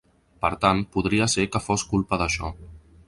Per tant, podria ser que fos culpa d’això.